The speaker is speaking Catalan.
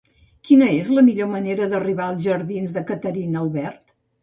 Quina és la millor manera d'arribar als jardins de Caterina Albert?